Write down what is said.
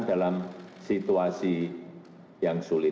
dalam situasi yang sulit